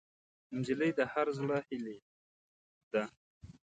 نجلۍ د هر زړه هیلې ده.